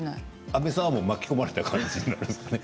阿部さんは巻き込まれた感じなんですね。